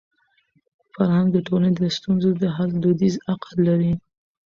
فرهنګ د ټولني د ستونزو د حل دودیز عقل لري.